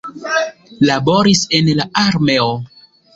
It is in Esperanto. Laboris en la armeo.